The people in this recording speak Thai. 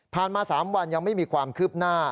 มา๓วันยังไม่มีความคืบหน้า